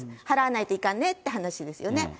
払わないといかんねって話ですよね。